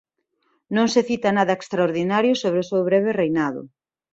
Non se cita nada extraordinario sobre o seu breve reinado.